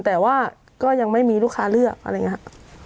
แต่ว่าก็ยังไม่มีลูกค้าเลือกอะไรอย่างนี้ครับ